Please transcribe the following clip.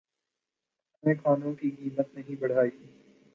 اپنے کھانوں کی قیمت نہیں بڑھائی